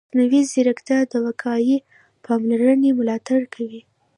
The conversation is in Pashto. مصنوعي ځیرکتیا د وقایوي پاملرنې ملاتړ کوي.